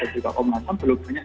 dan juga komnasom belum banyak